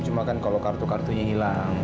cuma kan kalau kartu kartunya hilang